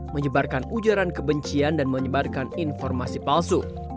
menyebarkan ujaran kebencian dan menyebarkan informasi palsu